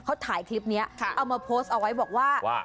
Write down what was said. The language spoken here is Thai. เขาถ่ายคลิปนี้เอามาโพสต์เอาไว้บอกว่า